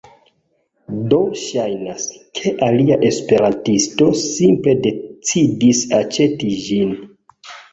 Do ŝajnas, ke alia esperantisto simple decidis aĉeti ĝin